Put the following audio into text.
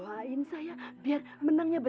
aisyah dari mana kamu